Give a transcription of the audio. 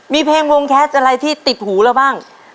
มีเพลงวงแคสอะไรที่ติดหูเราบ้าง